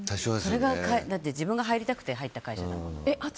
自分が入りたくて入った会社だから。